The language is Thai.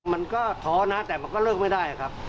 มันก็ท้อนะแต่มันก็เลิกไม่ได้ครับ